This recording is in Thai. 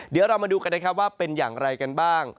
เดี๋ยวเรามาดูกันนะครับว่าเป็นอย่างไรกันบ้าง